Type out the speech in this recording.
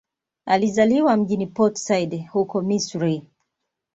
Alizaliwa mjini Port Said, huko Misri.